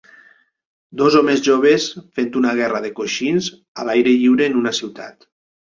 Dos homes joves fent una guerra de coixins a l'aire lliure en una ciutat.